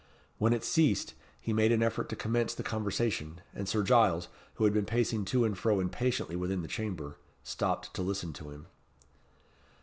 When it ceased, he made an effort to commence the conversation, and Sir Giles, who had been pacing to and fro impatiently within the chamber, stopped to listen to him.